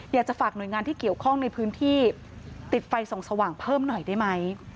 อยากจะฝากหน่วยงานที่เกี่ยวข้องในพื้นที่ติดไฟส่องสว่างเพิ่มหน่อยได้ไหม